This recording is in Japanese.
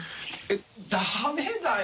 ダメだよ！